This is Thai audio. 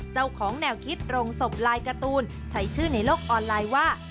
เจ้าของแนวคิดโรงศพลายการ์ตูนใช้ชื่อในโลกออนไลน์ว่า